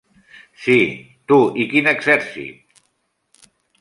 Sí, tu i quin exèrcit?